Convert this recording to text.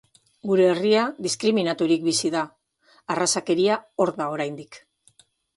Gure herria diskriminaturik bizi da, arrazakeria hor da oraindik.